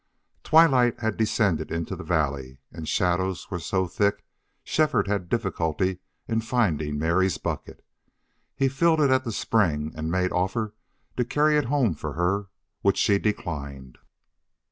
Twilight had descended into the valley, and shadows were so thick Shefford had difficulty in finding Mary's bucket. He filled it at the spring, and made offer to carry it home for her, which she declined.